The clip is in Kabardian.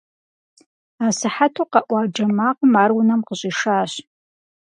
Асыхьэту къэӀуа джэ макъым ар унэм къыщӀишащ.